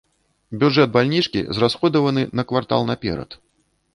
Бюджэт бальнічкі зрасходаваны на квартал наперад.